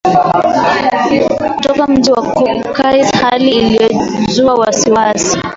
kutoka mji wa cockasis hali ilio zua wasiwasi